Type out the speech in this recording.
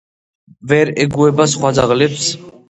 ვერ ეგუება სხვა ძაღლებს.